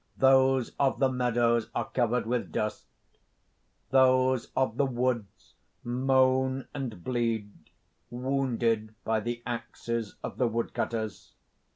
Those of the meadows are covered with dust; those of the woods moan and bleed; wounded by the axes of the woodcutters.